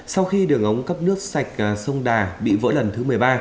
sạch sông đà bị vỡ lần thứ một mươi ba